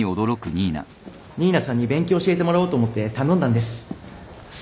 新名さんに勉強教えてもらおうと思って頼んだんです。